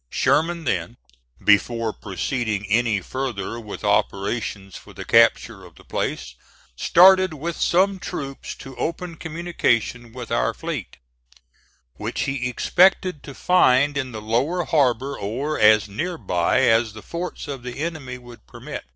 Sherman then, before proceeding any further with operations for the capture of the place, started with some troops to open communication with our fleet, which he expected to find in the lower harbor or as near by as the forts of the enemy would permit.